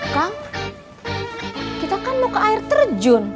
kang kita kan mau ke air terjun